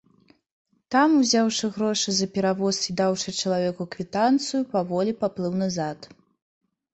Там, узяўшы грошы за перавоз і даўшы чалавеку квітанцыю, паволі паплыў назад.